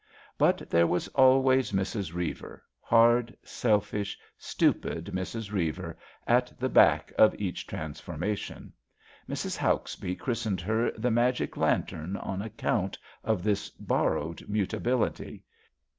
But there was always Mrs. Reiver — ^hard, selfish, stupid Mrs. Reiver — at the back of each transformation. Mrs. Hauksbee christened her the Magic Lantern on account of this borrowed mutability.